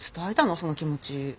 その気持ち。